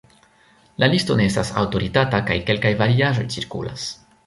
La listo ne estas aŭtoritata kaj kelkaj variaĵoj cirkulas.